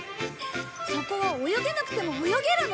そこは泳げなくても泳げるの？